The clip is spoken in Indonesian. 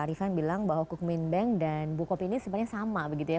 ivan bilang bahwa cookmin bank dan bukopi ini sebenarnya sama begitu ya